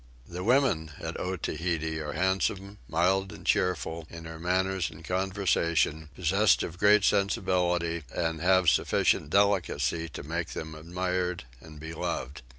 The women at Otaheite are handsome, mild and cheerful in their manners and conversation, possessed of great sensibility, and have sufficient delicacy to make them admired and beloved.